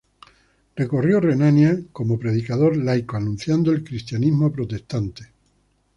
Recorrió Renania como predicador laico anunciando el cristianismo protestante.